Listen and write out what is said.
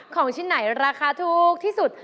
ของชิ้นไหนราคาถูกที่สุด